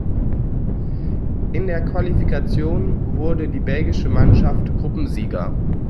In der Qualifikation wurde die belgische Mannschaft Gruppensieger.